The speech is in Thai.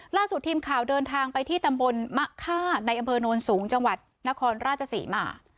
ล่าสุดทีมข่าวเดินทางไปที่ตำบลมะค่าในอำเภอโนนสูงจังหวัดนครราชศรีมา